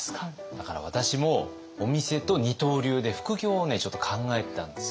だから私もお店と二刀流で副業をねちょっと考えてたんですよね。